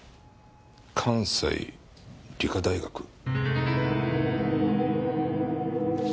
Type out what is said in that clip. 「関西理科大学」。